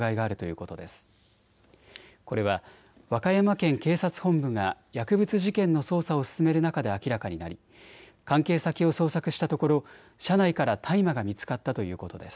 これは和歌山県警察本部が薬物事件の捜査を進める中で明らかになり関係先を捜索したところ、車内から大麻が見つかったということです。